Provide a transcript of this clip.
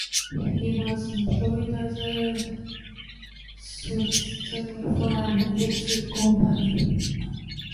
He was employed as a solicitor for an electric company.